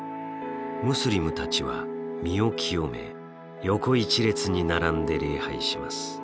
ムスリムたちは身を清め横一列に並んで礼拝します。